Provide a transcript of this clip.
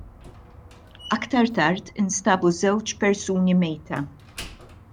Aktar tard instabu żewġ persuni mejta.